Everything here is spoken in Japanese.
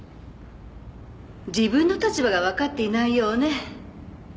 自分の立場がわかっていないようね。